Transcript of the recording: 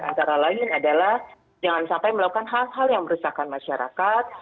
antara lain adalah jangan sampai melakukan hal hal yang merusakkan masyarakat